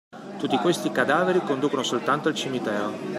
Tutti questi cadaveri conducono soltanto al cimitero .